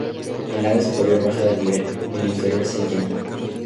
El lago superior baja de nivel, el inferior se llena.